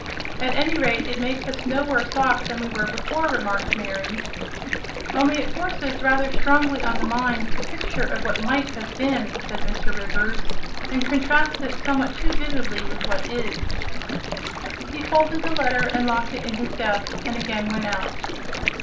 "At any rate, it makes us no worse off than we were before," remarked Mary. "Only it forces rather strongly on the mind the picture of what might have been," said Mr. Rivers, "and contrasts it somewhat too vividly with what is." He folded the letter, locked it in his desk, and again went out.